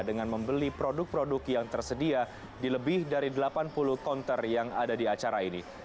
dengan membeli produk produk yang tersedia di lebih dari delapan puluh konter yang ada di acara ini